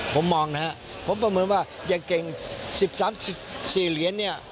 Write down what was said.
ผมมองนะครับผมประเมินว่าอย่างเก่ง๑๓๔เหรียญเนี่ย